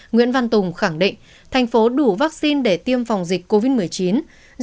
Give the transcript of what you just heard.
nguyễn văn tùng khẳng định thành phố đủ vaccine để tiêm phòng dịch covid một mươi chín